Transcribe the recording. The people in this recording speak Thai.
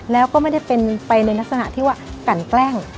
แล้วก็ไม่ได้เป็นไปในลักษณะที่ว่ากันแกล้ง